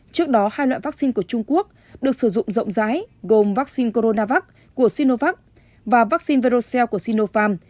trước đó hai loại vaccine của trung quốc được sử dụng rộng rãi gồm vaccine coronavac của sinovac và vaccine verocel của sinopharm